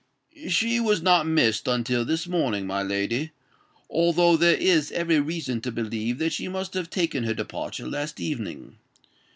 "She was not missed until this morning, my lady; although there is every reason to believe that she must have taken her departure last evening.